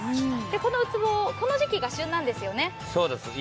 このうつぼ、この時期が旬なんですよね。